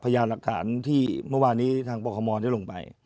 พยานหลักฐานที่เมื่อวานี้ทางปคมได้ลงไป